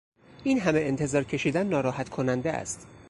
این همه انتظار کشیدن ناراحت کننده است.